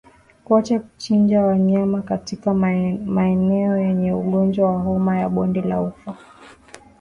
Kuacha kuchinja wanyama katika maeneo yenye ugonjwa wa homa ya bonde la ufa